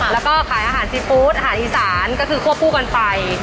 แล้วก็ขายอาหารซีฟู้ดอาหารอีสานก็คือควบคู่กันไป